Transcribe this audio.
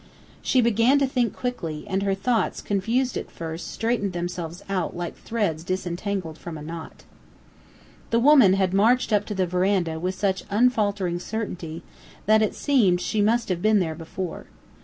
She began to think quickly, and her thoughts, confused at first, straightened themselves out like threads disentangled from a knot. The woman had marched up to the veranda with such unfaltering certainty that it seemed she must have been there before.